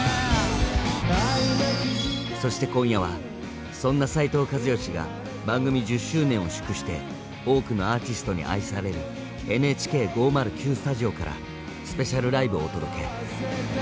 そして今夜はそんな斉藤和義が番組１０周年を祝して多くのアーティストに愛される「ＮＨＫ５０９スタジオ」からスペシャルライブをお届け。